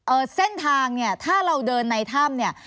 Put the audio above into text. เส้นทางเนี่ยถ้าเราเดินในถ้ำเนี่ย